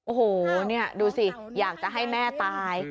โอ้โหนี่ดูสิอยากจะให้แม่ตาย